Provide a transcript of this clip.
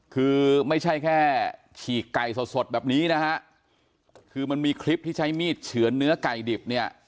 คือไม่ใช่แค่ฉีกไก่สดแบบนี้มันมีคลิปที่ใช้มีดเฉือนเนื้อไก่ดิบ